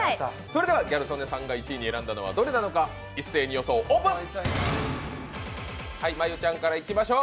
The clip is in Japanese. それではギャル曽根さんが１位に選んだのはどれなのか、一斉に予想、オープン！